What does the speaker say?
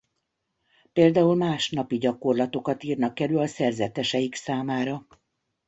Például más napi gyakorlatokat írnak elő a szerzeteseik számára.